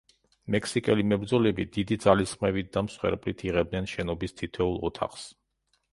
მექსიკელი მებრძოლები, დიდი ძალისხმევით და მსხვერპლით იღებდნენ შენობის თითოეულ ოთახს.